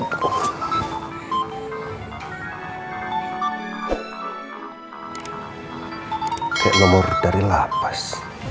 kayak nomor dari lapas